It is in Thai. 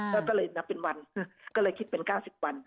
แล้วก็เลยนับเป็นวันก็เลยคิดเป็น๙๐วัน